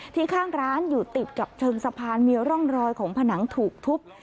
ข้างร้านอยู่ติดกับเชิงสะพานมีร่องรอยของผนังถูกทุบ